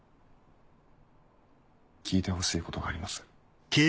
聞いてほしいことがあります。